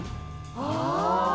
ああ！